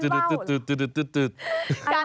เล่นว้าว